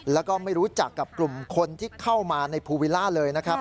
แล้วก็ไม่รู้จักกับกลุ่มคนที่เข้ามาในภูวิลล่าเลยนะครับ